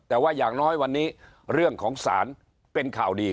แต่ว่าอย่างน้อยวันนี้เรื่องของศาลเป็นข่าวดี